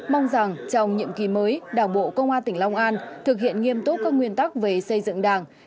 mong rằng trong nhiệm kỳ mới đảng bộ công an tỉnh long an thực hiện nghiêm túc các nguyên tắc về xây dựng đảng